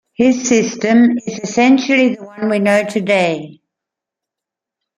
His system is essentially the one we know today.